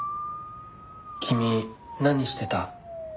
君何してた？